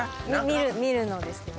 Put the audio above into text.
見るのですけど。